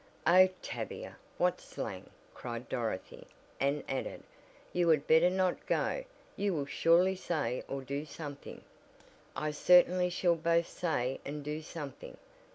"Oh, Tavia, what slang!" cried Dorothy, and added: "you had better not go, you will surely say or do something " "I certainly shall both say and do something.